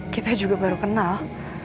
kita juga baru kenal